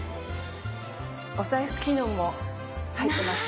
お財布機能も入ってまして。